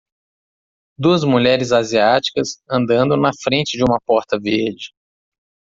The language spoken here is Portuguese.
duas mulheres asiáticas andando na frente de uma porta verde